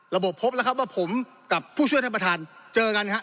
พบพบแล้วครับว่าผมกับผู้ช่วยท่านประธานเจอกันครับ